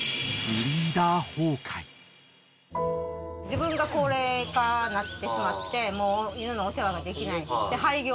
自分が高齢化になってしまってもう犬のお世話ができない廃業する。